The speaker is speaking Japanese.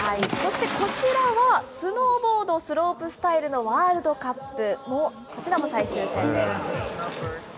そしてこちらはスノーボードスロープスタイルのワールドカップ、こちらも最終戦です。